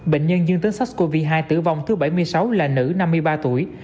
bệnh nhân dương tính sars cov hai tử vong thứ bảy mươi sáu là nữ năm mươi ba tuổi